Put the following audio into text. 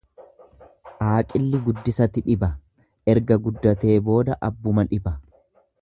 Aaqilli guddisati si dhiba, erga guddatee booda abbuma dhiba.